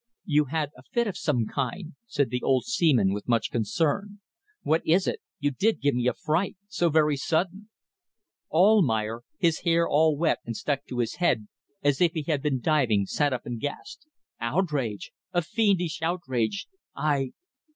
"You had a fit of some kind," said the old seaman with much concern. "What is it? You did give me a fright. So very sudden." Almayer, his hair all wet and stuck to his head, as if he had been diving, sat up and gasped. "Outrage! A fiendish outrage. I